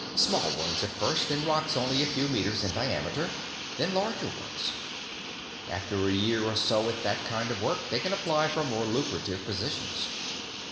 Small ones, at first, in rocks only a few meters in diameter then larger ones. After a year or so at that kind of work, they can apply for more lucrative positions.